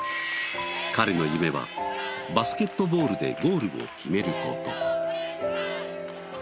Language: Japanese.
彼の夢はバスケットボールでゴールを決める事。